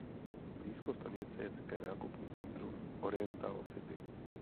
Blízko stanice je také nákupní centrum Oriental City.